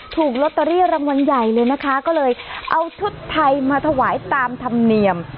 ถูกลอตเตอรี่รางวัลใหญ่เลยนะคะก็เลยเอาชุดไทยมาถวายตามธรรมเนียม